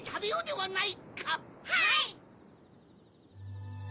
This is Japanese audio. はい！